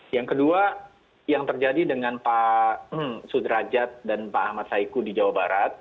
yang kedua yang terjadi dengan pak sudrajat dan pak ahmad saiku di jawa barat